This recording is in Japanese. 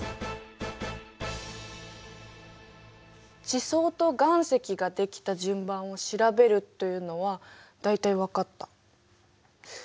地層と岩石ができた順番を調べるというのは大体わかった。